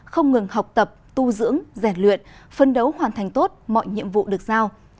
không ngừng học tập tu dưỡng rèn luyện phân đấu hoàn thành tốt mọi nhiệm vụ được giao